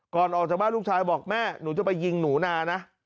ก่อนออกจากบ้านลูกชายบอกแม่หนูจะไปยิงหนูนานะ